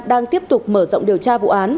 đang tiếp tục mở rộng điều tra vụ án